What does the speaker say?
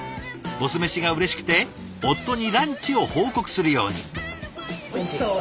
ボス飯がうれしくて夫にランチを報告するように。